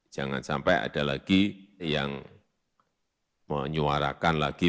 jangan sampai ada lagi yang menyuarakan lagi